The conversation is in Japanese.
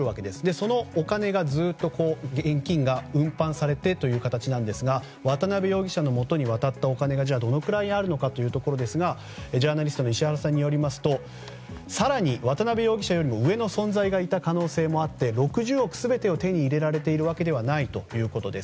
そのお金がずっと、現金が運搬されてという形ですが渡邉容疑者のもとに渡ったお金がどのくらいあるのかというところですがジャーナリストの石原さんによりますと更に渡邉容疑者よりも上の存在がいた可能性もあって６０億全てを手に入れられているわけではないということです。